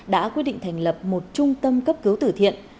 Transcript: đã quyết định thành lập một bệnh viện